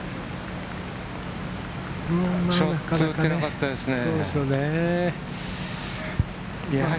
ちょっと打てなかったですね。